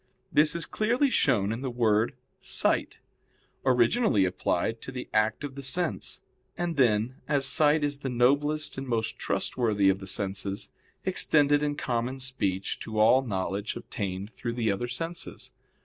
This is clearly shown in the word "sight," originally applied to the act of the sense, and then, as sight is the noblest and most trustworthy of the senses, extended in common speech to all knowledge obtained through the other senses.